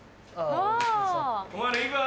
お前らいいか？